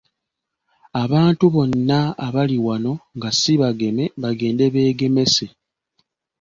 Abantu bonna abali wano nga si bageme bagende beegemese.